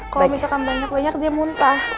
kalau misalkan banyak banyak dia muntah